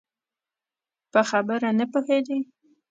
په خبره نه پوهېدی؟